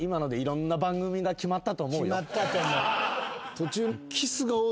途中。